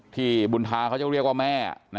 บุญธาเขาจะเรียกว่าแม่